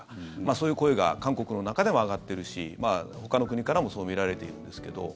そういう声が韓国の中でも上がってるしほかの国からもそう見られているんですけど。